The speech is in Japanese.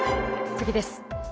次です。